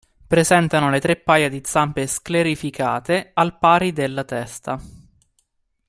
Presentano le tre paia di zampe sclerificate, al pari della testa.